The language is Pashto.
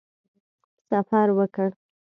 سفر وکړ.